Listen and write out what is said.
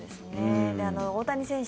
大谷選手